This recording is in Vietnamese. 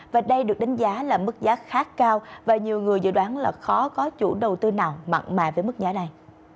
và đây được đánh giá là mức giá khá cao và nhiều người dự đoán là khó có chủ đầu tư nào mặn mà với mức giá này